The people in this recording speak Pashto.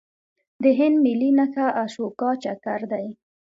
د هند ملي نښه اشوکا چکر دی.